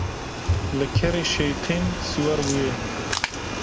Li kerê şeytên siwar bûye.